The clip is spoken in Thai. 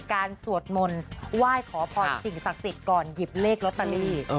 สวดมนต์ไหว้ขอพรสิ่งศักดิ์สิทธิ์ก่อนหยิบเลขลอตเตอรี่